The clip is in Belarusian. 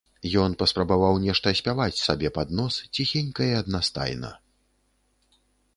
Ён паспрабаваў нешта спяваць сабе пад нос ціхенька і аднастайна.